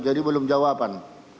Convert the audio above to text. jadi belum jawaban